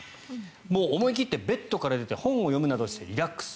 思い切ってベッドから出て本を読むなどしてリラックス。